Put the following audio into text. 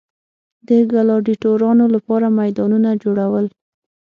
د ګلاډیټورانو لپاره میدانونه جوړول.